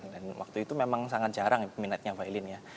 dan waktu itu memang sangat jarang ya peminatnya violin ya